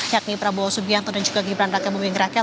yakni prabowo subianto dan juga gibran raka buming raka